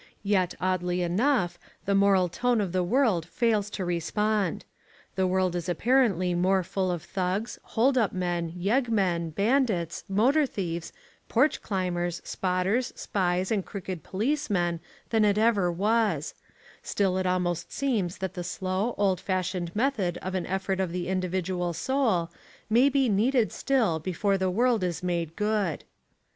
Yet oddly enough the moral tone of the world fails to respond. The world is apparently more full of thugs, hold up men, yeg men, bandits, motor thieves, porch climbers, spotters, spies and crooked policemen than it ever was; till it almost seems that the slow, old fashioned method of an effort of the individual soul may be needed still before the world is made good.